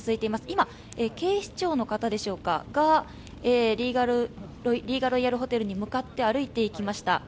今、警視庁の方が、リーガロイヤルホテルに向かって歩いて行きました。